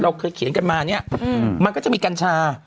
เคยเขียนกันมาเนี่ยมันก็จะมีกัญชา